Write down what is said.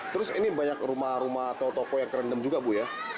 terus ini banyak rumah rumah atau toko yang kerendam juga bu ya